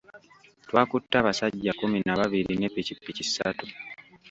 Twakutte abasajja kkumi na babiri ne Ppikipiki ssatu.